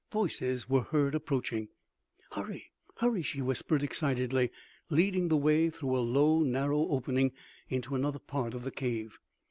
Voices were heard approaching. "Hurry, hurry!" she whispered excitedly, leading the way through a low, narrow opening into another part of the cave.